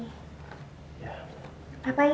apa yang kamu mau kasih